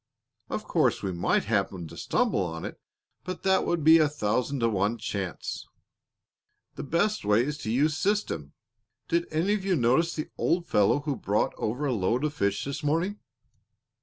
Of course, we might happen to stumble on it, but that would be a thousand to one chance. The best way is to use system. Did any of you notice the old fellow who brought over a load of fish this morning?"